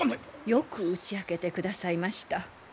よく打ち明けてくださいました。